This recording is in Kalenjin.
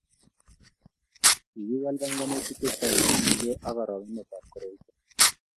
Kikiwal panganutik chechang kotinyei ak orogonetab koroito